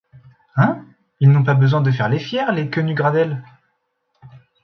Hein ! ils n’ont pas besoin de faire les fiers, les Quenu-Gradelle !